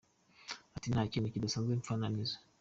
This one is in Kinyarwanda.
Ati “Nta kintu kidasanzwe mfa na Nizo.